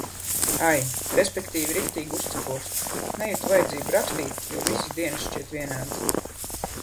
Ai, respektīvi, riktīgi uzcepos. Nejutu vajadzību rakstīt, jo visas dienas šķiet vienādas.